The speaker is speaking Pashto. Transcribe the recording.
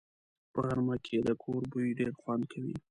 په غرمه کې د کور بوی ډېر خوند کوي